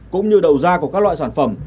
cũng như đầu da của các loại sản phẩm